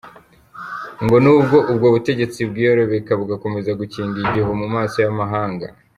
Ngo n’ubwo ubwo butegetsi bwiyorobeka bugakomeza gukinga igihu mu maso y’amahanga.